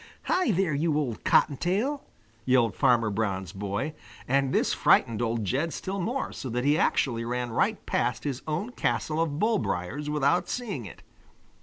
"Hi, there, you old cottontail!" yelled Farmer Brown's boy, and this frightened Old Jed still more, so that he actually ran right past his own castle of bullbriars without seeing it.